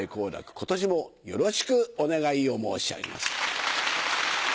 今年もよろしくお願いを申し上げます。